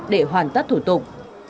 để hoàn tất thủ tục